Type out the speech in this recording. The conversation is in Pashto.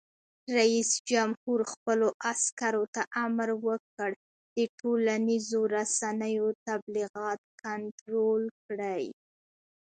رئیس جمهور خپلو عسکرو ته امر وکړ؛ د ټولنیزو رسنیو تبلیغات کنټرول کړئ!